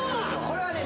これはね